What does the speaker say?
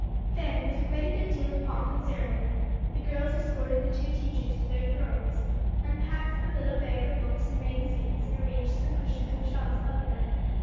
Then with quite a good deal of pomp and ceremony, the girls escorted the two teachers to their thrones, unpacked the little bag of books and magazines, and arranged some cushions and shawls about them.